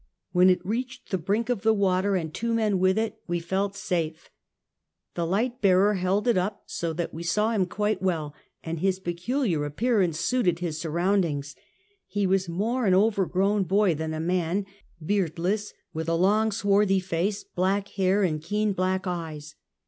When it reached the brink of the water, and two men with it, we felt safe. The light bearer held it up so that we saw him quite well, and his pecu liar appearance suited his surroundings. He was more an overgrown boy than a man, beardless, with a long swarthy face, black hair and keen black eyes.